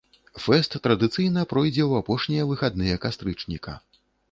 Фэст традыцыйна пройдзе ў апошнія выхадныя кастрычніка.